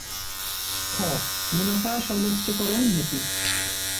খ. মুনাফা সর্বোচ্চকরণ নীতি